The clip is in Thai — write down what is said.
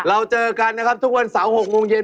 เราเจอกันนะครับทุกวันเสาร์๖โมงเย็น